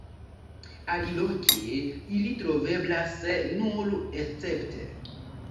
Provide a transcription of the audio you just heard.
Aliloke ili troveblas nur escepte.